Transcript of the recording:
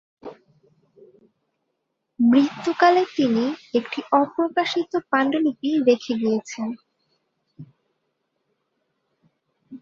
মৃত্যুকালে তিনি একটি অপ্রকাশিত পাণ্ডুলিপি রেখে গিয়েছেন।